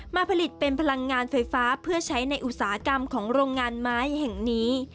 ผลิตเป็นพลังงานไฟฟ้าเพื่อใช้ในอุตสาหกรรมของโรงงานไม้แห่งนี้